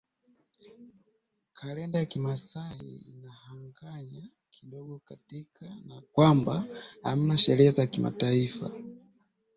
Kalenda ya kimasai inahanganya kidogo kutokana na kwamba hamna sheria za kimataifa